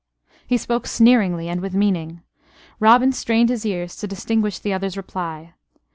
He spoke sneeringly and with meaning. Robin strained his ears to distinguish the other's reply.